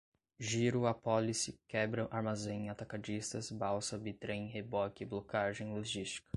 giro apólice quebra armazém atacadistas balsa bi-trem reboque blocagem logística